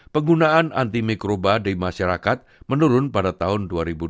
penggunaan anti mikroba di masyarakat menurun pada tahun dua ribu dua puluh